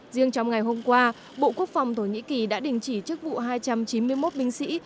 riêng trong ngày hôm qua bộ quốc phòng thổ nhĩ kỳ đã đình chỉ chức vụ hai trăm chín mươi một binh sĩ